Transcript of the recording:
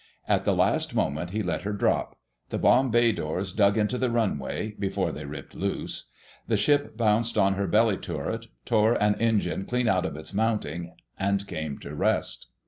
At the last moment he let her drop. The bomb bay doors dug into the runway, before they ripped loose. The ship bounced on her belly turret, tore an engine clean out of its mounting, and came to rest.